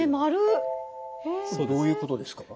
どういうことですか？